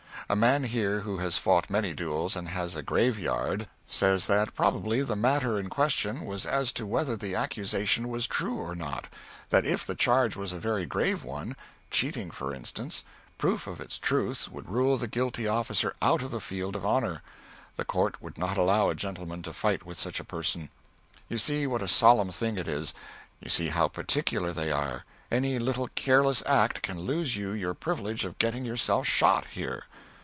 A man here who has fought many duels and has a graveyard, says that probably the matter in question was as to whether the accusation was true or not; that if the charge was a very grave one cheating, for instance proof of its truth would rule the guilty officer out of the field of honor; the Court would not allow a gentleman to fight with such a person. You see what a solemn thing it is; you see how particular they are; any little careless act can lose you your privilege of getting yourself shot, here.